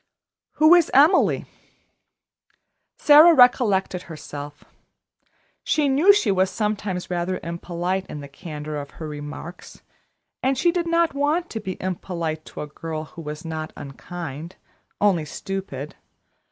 "Who is Emily?" Sara recollected herself. She knew she was sometimes rather impolite in the candor of her remarks, and she did not want to be impolite to a girl who was not unkind only stupid.